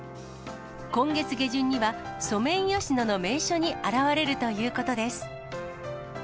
今月下旬にはソメイヨシノの名所に現れるということです。